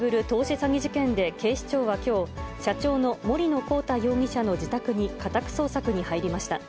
詐欺事件で警視庁はきょう、社長の森野広太容疑者の自宅に家宅捜索に入りました。